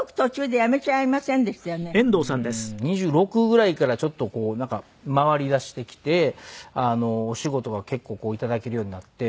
２６ぐらいからちょっとこうなんか回りだしてきてお仕事が結構こういただけるようになって。